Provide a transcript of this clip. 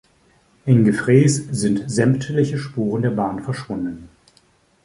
In Gefrees sind sämtliche Spuren der Bahn verschwunden.